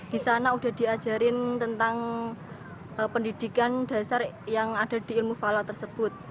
disana udah diajarin tentang pendidikan dasar yang ada di ilmu falak tersebut